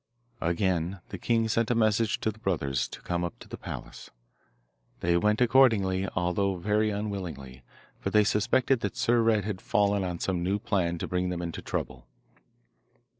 Again the king sent a message to the brothers to come up to the palace. They went accordingly, although very unwillingly, for they suspected that Sir Red had fallen on some new plan to bring them into trouble.